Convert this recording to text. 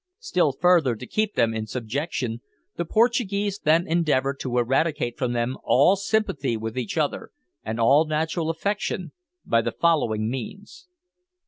Still further to keep them in subjection, the Portuguese then endeavour to eradicate from them all sympathy with each other, and all natural affection, by the following means.